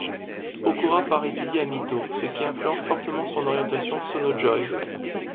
Okura part étudier à Mito, ce qui influence fortement son orientation Sonnō jōi.